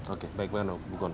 oke baiklah bu kon